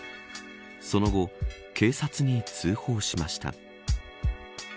その後、警察に通報しました。